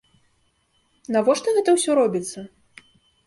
Навошта гэта ўсё робіцца?